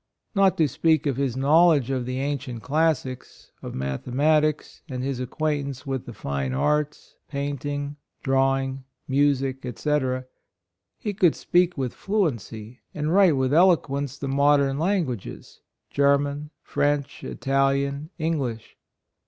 Not to speak of his knowledge of the ancient classics, of mathematics, and his acquaintance with the fine arts, painting, draw ing, music, &c, he could speak with fluency, and write with elegance, the modern languages, German, French, Italian, English.